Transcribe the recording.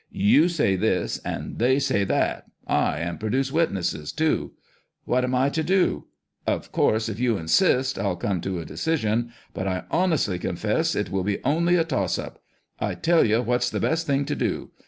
You say this, and they say that, aye, and produce witnesses, too. What am I to do ? Of course, if you insist I'll come to a decision ; but I honestly confess it will be only a toss up. I tell you what's the best thing to do.